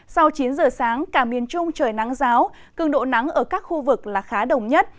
sau chín giờ sáng cả miền trung trời nắng giáo cường độ nắng ở các khu vực là khá đồng nhất